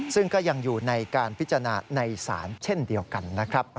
ซึ่งก็ยังอยู่ในการพิจารณาในศาลเช่นเดียวกันนะครับ